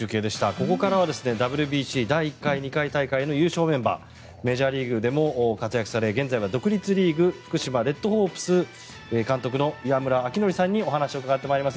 ここからはＷＢＣ第１回、２回大会の優勝メンバーメジャーリーグでも活躍され現在は独立リーグ福島レッドホープス監督の岩村明憲さんにお話を伺ってまいります。